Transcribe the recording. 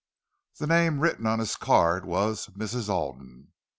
The name written on his card was Mrs. Alden.